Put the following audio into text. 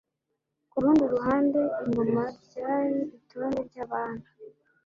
Ku rundi ruhande, ingoma ryari “Itonde Ry'abami”